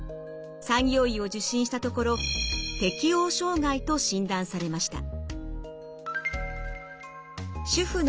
産業医を受診したところ適応障害と診断されました。